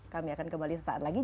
kami akan kembali sesaat lagi